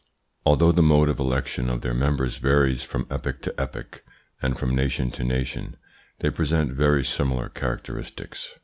Although the mode of election of their members varies from epoch to epoch, and from nation to nation, they present very similar characteristics.